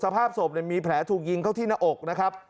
สภาพศพมีแผลถูกยิงเข้าที่หน้าอกนะครับ